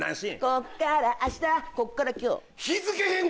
こっからあしたこっから今日。